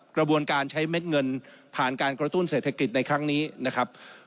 กระบวนการใช้เม็ดเงินผ่านการกระตุ้นเศรษฐกิจในครั้งนี้นะครับ